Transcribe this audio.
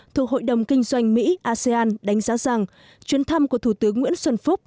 thuộc hội đồng kinh doanh mỹ asean đánh giá rằng chuyến thăm của thủ tướng nguyễn xuân phúc